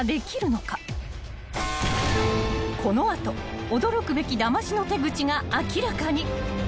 ［この後驚くべきだましの手口が明らかに］